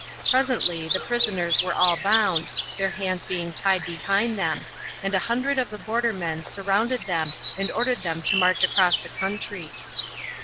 Presently the prisoners were all bound, their hands being tied behind them, and a hundred of the border men surrounded them and ordered them to march across the country.